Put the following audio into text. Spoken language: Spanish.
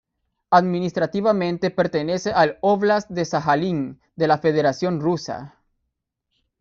Administrativamente pertenece al óblast de Sajalín de la Federación Rusa.